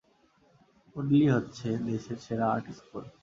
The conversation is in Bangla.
উডলি হচ্ছে দেশের সেরা আর্ট স্কুল।